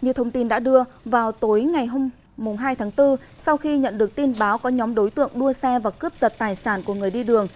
như thông tin đã đưa vào tối ngày hai tháng bốn sau khi nhận được tin báo có nhóm đối tượng đua xe và cướp giật tài sản của người đi đường